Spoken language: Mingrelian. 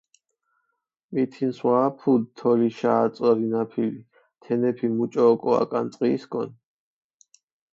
მითინს ვა აფუდჷ თოლიშა აწორინაფილი, თენეფი მუჭო ოკო აკანწყიისკონ.